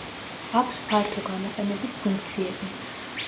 აქვს ფართო გამოყენების ფუნქციები.